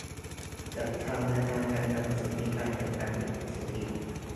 จัดทำแนวทางการกำหนดสิทธิ การจัดการสิทธิ